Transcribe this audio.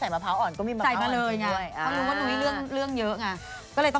ใส่มะพาวอ่อนอีกเลย